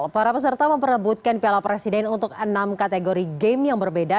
para peserta memperebutkan piala presiden untuk enam kategori game yang berbeda